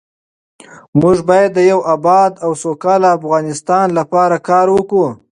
موږ باید د یو اباد او سوکاله افغانستان لپاره کار وکړو.